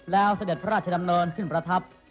แล้วสเตงพระธรรมเนินขึ้นประทับ